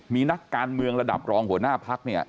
มีนักการเมืองระดับรองหัวหน้าพักเนี่ย